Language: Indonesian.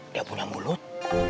dia punya mulut